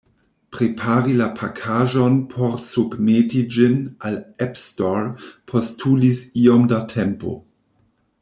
Prepari la pakaĵon por submeti ĝin al App Store postulis iom da tempo.